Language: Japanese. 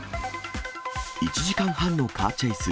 １時間半のカーチェイス。